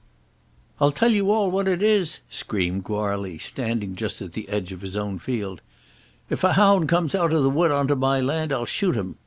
"I'll tell you all what it is," screamed Goarly, standing just at the edge of his own field, "if a hound comes out of the wood on to my land, I'll shoot him.